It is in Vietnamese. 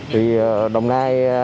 thì đồng nai